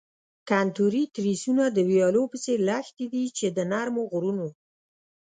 کنتوري تریسونه د ویالو په څیر لښتې دي چې د نرمو غرونو.